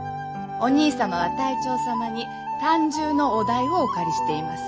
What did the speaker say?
お兄様は隊長様に短銃のお代をお借りしています。